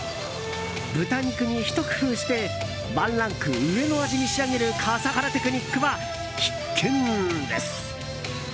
豚肉にひと工夫してワンランク上の味に仕上げる笠原テクニックは必見です！